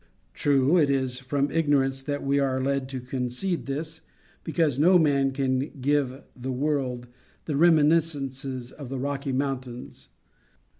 True, it is from ignorance that we are led to concede this, because no man can give to the world the reminiscences of the Rocky Mountains.